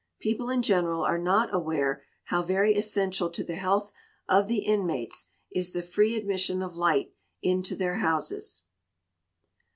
People in general are not aware how very essential to the health of the inmates is the free admission of light into their houses.